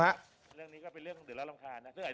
เรื่องนี้ก็เป็นเรื่องเดี๋ยวแล้วรำคาญนะ